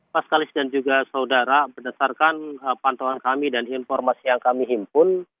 mas kalis dan juga saudara berdasarkan pantauan kami dan informasi yang kami himpun